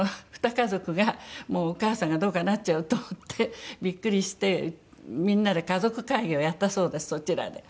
家族がお母さんがどうかなっちゃうと思ってビックリしてみんなで家族会議をやったそうですそちらで。